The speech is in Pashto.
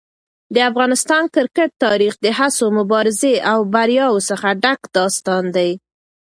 د افغانستان کرکټ تاریخ د هڅو، مبارزې او بریاوو څخه ډک داستان دی.